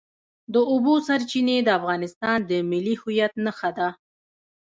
د اوبو سرچینې د افغانستان د ملي هویت نښه ده.